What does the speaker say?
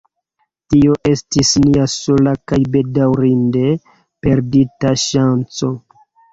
Tio estis nia sola kaj bedaŭrinde perdita ŝanco.